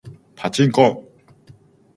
パチンコ